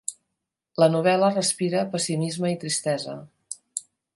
La novel·la respira pessimisme i tristesa.